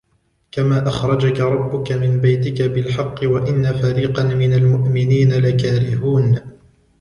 كَمَا أَخْرَجَكَ رَبُّكَ مِنْ بَيْتِكَ بِالْحَقِّ وَإِنَّ فَرِيقًا مِنَ الْمُؤْمِنِينَ لَكَارِهُونَ